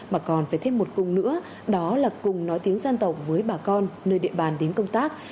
mà còn phải thêm một cùng nữa đó là cùng nói tiếng dân tộc với bà con nơi địa bàn đến công tác